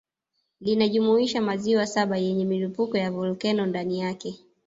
Linajumuisha maziwa saba yenye milipuko ya volkeno ndani yake